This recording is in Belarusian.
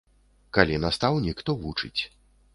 Калі настаўнік, то вучыць.